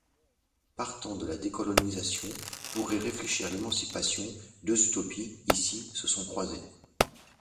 Partant de la décolonisation, pour y réfléchir l’émancipation, deux utopies, ici, se sont croisées.